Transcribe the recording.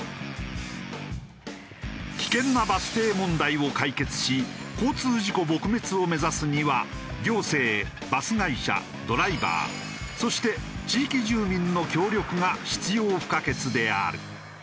危険なバス停問題を解決し交通事故撲滅を目指すには行政バス会社ドライバーそして地域住民の協力が必要不可欠である。